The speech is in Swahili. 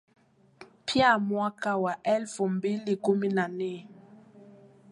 Pia mwaka wa elfu mbili kumi na nne